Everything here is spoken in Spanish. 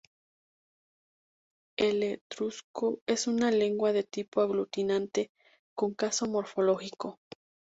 El etrusco es una lengua de tipo aglutinante, con caso morfológico.